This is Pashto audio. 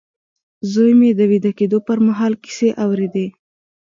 زوی مې د ويده کېدو پر مهال کيسې اورېدې.